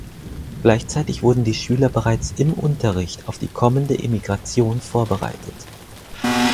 Gleichzeitig wurden die Schüler bereits im Unterricht auf die kommende Emigration vorbereitet.